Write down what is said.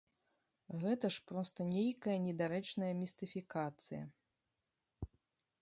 Гэта ж проста нейкая недарэчная містыфікацыя.